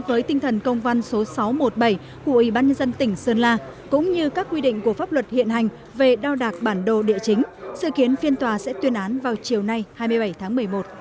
với tinh thần công văn số sáu trăm một mươi bảy của ủy ban nhân dân tỉnh sơn la cũng như các quy định của pháp luật hiện hành về đo đạc bản đồ địa chính sự kiến phiên tòa sẽ tuyên án vào chiều nay hai mươi bảy tháng một mươi một